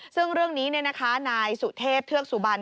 ซึ่งเรื่องนี้นายสุเทพเทือกสุบัน